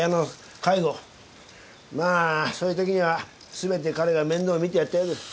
まあそういうときには全て彼が面倒を見てやったようです。